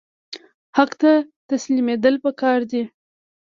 حق ته تسلیمیدل پکار دي